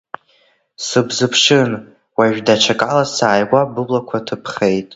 Сыбзыԥшын, уажә даҽакала сааигәа быблақәа ҭыԥхеит.